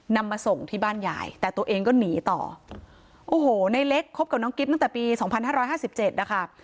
นำมาส่งที่บ้านใหญ่แต่ตัวเองก็หนีต่อโอ้โหในเลขคบกับน้องกิฟต์ตั้งแต่ปี๒๕๕๗นะครับ